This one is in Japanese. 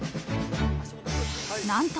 ［何と］